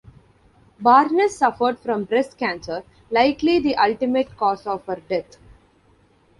Barnes suffered from breast cancer, likely the ultimate cause of her death.